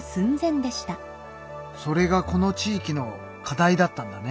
それがこの地域の課題だったんだね。